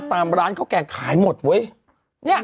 แต่อาจจะส่งมาแต่อาจจะส่งมา